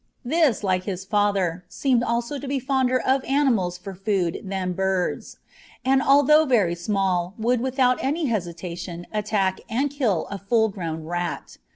This, like his father, seemed also to be fonder of animals for food than birds, and, although very small, would without any hesitation attack and kill a full grown rat.